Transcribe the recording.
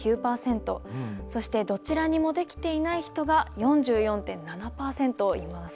そしてどちらにもできていない人が４４．７％います。